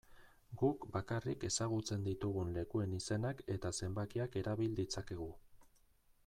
Guk bakarrik ezagutzen ditugun lekuen izenak eta zenbakiak erabil ditzakegu.